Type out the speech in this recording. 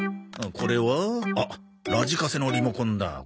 これはあっラジカセのリモコンだ。